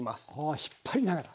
あ引っ張りながら。